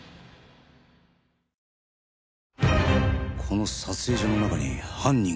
この撮影所の中に犯人が。